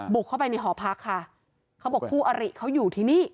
เข้าไปในหอพักค่ะเขาบอกคู่อริเขาอยู่ที่นี่